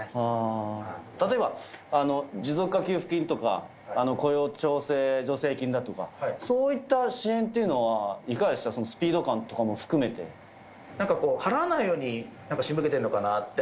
例えば持続化給付金とか、雇用調整助成金だとか、そういった支援っていうのは、いかがでしなんかこう、払わないように、仕向けてんのかなって。